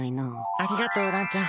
ありがとうランちゃん